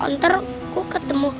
ntar aku ketemu